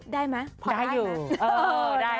ได้มั้ยพอได้มั้ยได้อยู่ได้